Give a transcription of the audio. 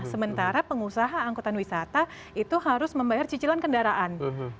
sementara pengusaha angkutan wisata itu harus membayar cicilan kendaraan